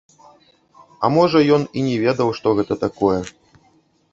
А можа, ён і не ведаў, што гэта такое?